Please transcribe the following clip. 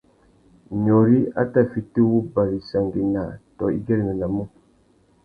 Nyôrï a tà fiti wuba wissangüena tô i güeréménamú.